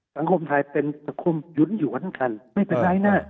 สังคมไทยเป็นสังคมหยุนหยวนกันไม่เป็นไรนะ